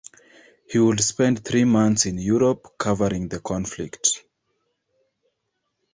He would spend three months in Europe covering the conflict.